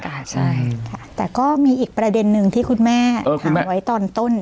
ใช่ค่ะแต่ก็มีอีกประเด็นนึงที่คุณแม่ถามไว้ตอนต้น